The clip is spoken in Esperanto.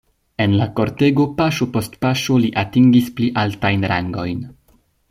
En la kortego paŝo post paŝo li atingis pli altajn rangojn.